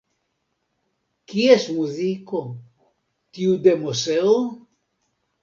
Kies muziko, tiu de Moseo?